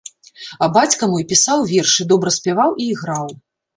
А бацька мой пісаў вершы, добра спяваў і іграў.